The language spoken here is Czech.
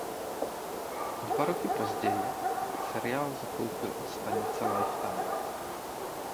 O dva roky později seriál zakoupila stanice Lifetime.